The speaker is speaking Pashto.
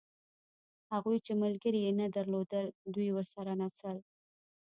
هغوی چې ملګري یې نه درلودل دوی ورسره نڅل.